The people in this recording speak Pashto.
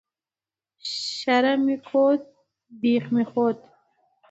ـ شرم مې کوو بېخ مې وختو.